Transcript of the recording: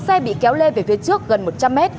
một xe bị kéo lê về phía trước gần một trăm linh m